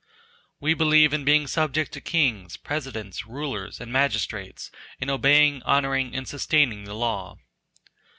We believe in being subject to kings, presidents, rulers, and magistrates, in obeying, honoring, and sustaining the law.